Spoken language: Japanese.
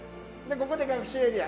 ここで学習エリア。